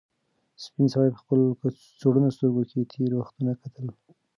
سپین سرې په خپل کڅوړنو سترګو کې تېر وختونه کتل.